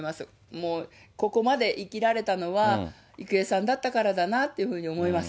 もう、ここまで生きられたのは、郁恵さんだったからだなっていうふうに思います。